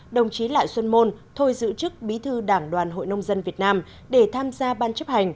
đồng chí lại xuân môn thôi giữ chức bí thư đảng đoàn hội nông dân việt nam để tham gia ban chấp hành